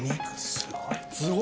すごいね。